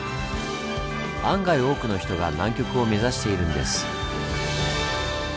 案外多くの人が南極を目指しているんです。